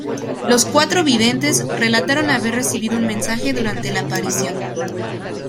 Los cuatro videntes relataron haber recibido un mensaje durante la aparición.